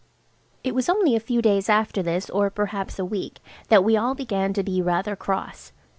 It was only a few days after this, or perhaps a week, that we all began to be rather cross.